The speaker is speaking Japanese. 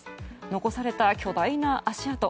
残された巨大な足跡。